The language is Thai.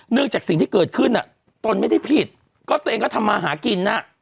เนื่องจากสิ่งที่เกิดขึ้นน่ะต้นไม่ได้ผิดก็ตัวเองก็ทำมาหากินน่ะ